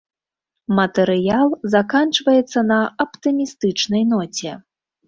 Матэрыял заканчваецца на аптымістычнай ноце.